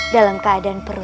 dalam keadaan yang teruk